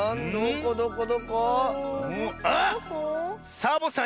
サボさん